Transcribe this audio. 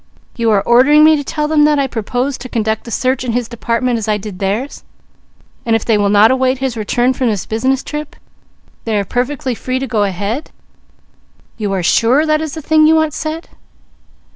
You are ordering me to tell them that I propose to conduct the search in his department as I did theirs, and if they will not await his return from this business trip, they are perfectly free to go ahead You are sure that is the thing you want said?